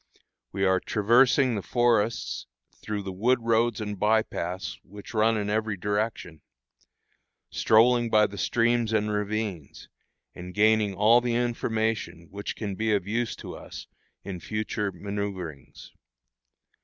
We are traversing the forests, through the wood roads and by paths which run in every direction; strolling by the streams and ravines, and gaining all the information which can be of use to us in future manoeuvrings.